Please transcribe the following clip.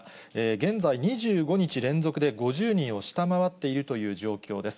現在、２５日連続で５０人を下回っているという状況です。